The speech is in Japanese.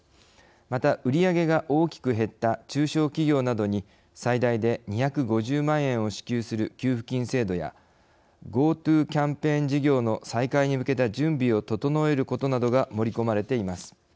また売り上げが大きく減った中小企業などに最大で２５０万円を支給する給付金制度やＧｏＴｏキャンペーン事業の再開に向けた準備を整えることなどが盛り込まれています。